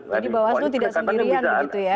jadi bawah seluruh tidak sendirian begitu ya